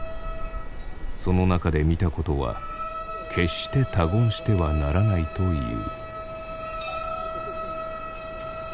その中で見たことは決して他言してはならないという。